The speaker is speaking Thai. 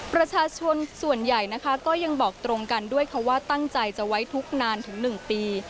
ประชาชนส่วนใหญ่นะคะก็ยังบอกตรงกันด้วยค่ะว่าตั้งใจจะไว้ทุกข์นานถึง๑ปี